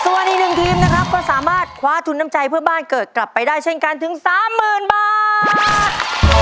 ส่วนอีกหนึ่งทีมนะครับก็สามารถคว้าทุนน้ำใจเพื่อบ้านเกิดกลับไปได้เช่นกันถึงสามหมื่นบาท